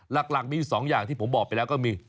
หลักมีอยู่๒อย่างที่ผมบอกไปแล้วก็มี